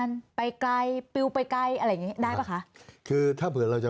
อ๋ออย่าคิดว่าแดดจะช่วย